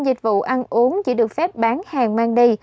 dịch vụ ăn uống chỉ được phép bán hàng mang đi